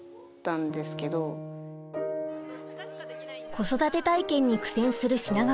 子育て体験に苦戦する品川さん。